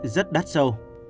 rất đắt sâu